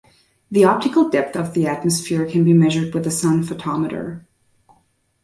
The optical depth of the atmosphere can be measured with a sun photometer.